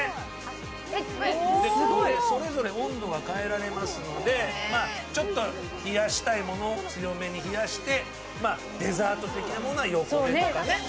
それぞれ温度が変えられますので、冷やしたいものを強めに冷やして、デザート的なものは横でとかね。